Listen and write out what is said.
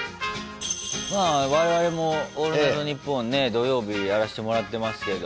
まあ我々も「オールナイトニッポン」ね土曜日やらせてもらってますけど。